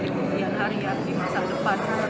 di kemudian hari yang dimasak depan